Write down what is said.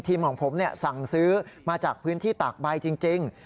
ของผมสั่งซื้อมาจากพื้นที่ตากใบจริง